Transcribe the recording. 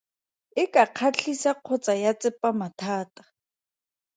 E ka kgatlhisa kgotsa ya tsepama thata.